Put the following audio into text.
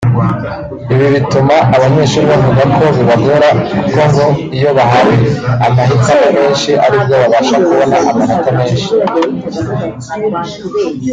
Ibi bituma abanyeshuri bavuga ko bibagora kuko ngo iyo bahawe amahitamo menshi aribwo babasha kubona amanota menshi